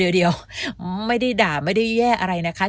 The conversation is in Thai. เดี๋ยวไม่ได้ด่าไม่ได้แย่อะไรนะคะ